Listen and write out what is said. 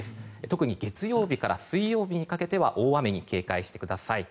特に月曜日から水曜日にかけては大雨に警戒してください。